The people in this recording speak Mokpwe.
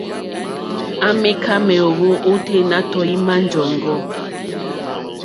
À mìká méèwó óténá tɔ̀ímá !jɔ́ŋɡɔ́.